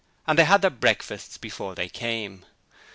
and they had their breakfasts before they came.